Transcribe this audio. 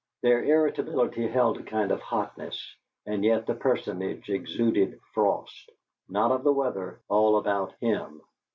Their irritability held a kind of hotness, and yet the personage exuded frost, not of the weather, all about him.